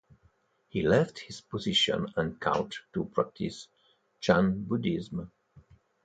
He left his position at court to practise Chan Buddhism.